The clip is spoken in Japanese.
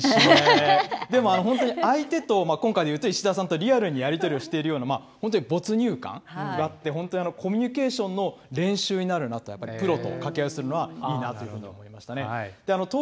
でも相手と、今回で言うと石田さんとリアルにやり取りしているような本当に没入感があって、本当にコミュニケーションの練習になるなと、プロと掛け合いするのは、いいなというふうに思いましたね。